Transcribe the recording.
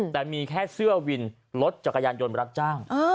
แต่มีแค่เสื้อวินรถจักรยานยนต์รับจ้าง